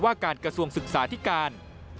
ว่าการกระทรวงศึกษาธิการ